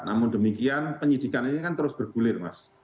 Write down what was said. namun demikian penyidikan ini kan terus bergulir mas